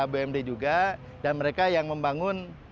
bumd juga dan mereka yang membangun